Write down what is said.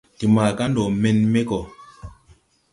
De maga ndɔ men me gɔ.